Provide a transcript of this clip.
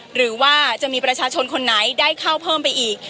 หรือว่าจะมีประชาชนคนไหนได้เข้าเพิ่มไปอีก